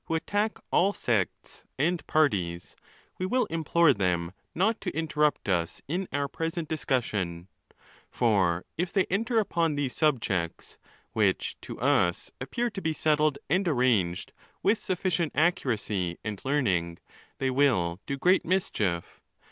attack all sects and parties, we will implore them not to interrupt us in our present discussion; for if they enter upon these subjects, which to us appear to be settled and arranged with sufficient accuracy and learning, they will do great mischief.